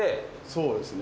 そうですね。